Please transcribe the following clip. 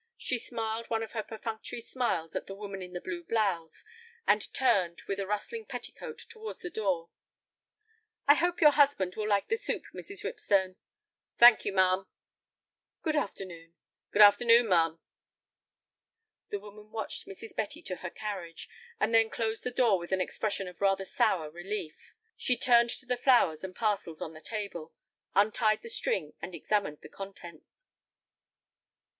She smiled one of her perfunctory smiles at the woman in the blue blouse, and turned with a rustling petticoat towards the door. "I hope your husband will like the soup, Mrs. Ripstone." "Thank you, ma'am." "Good afternoon." "Good afternoon, ma'am." The woman watched Mrs. Betty to her carriage, and then closed the door with an expression of rather sour relief. She turned to the flowers and parcels on the table, untied the string, and examined the contents.